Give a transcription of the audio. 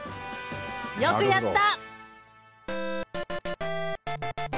よくやった。